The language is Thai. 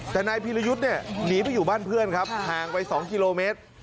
แต่นายพีรยุทธ์เนี่ยหนีไปอยู่บ้านเพื่อนครับห่างไป๒กิโลเมตร